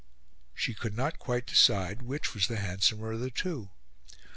She could not quite decide which was the handsomer of the two.